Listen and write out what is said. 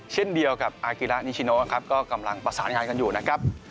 เช่นเดียวกับอากิระนิชิโนครับก็กำลังประสานงานกันอยู่นะครับ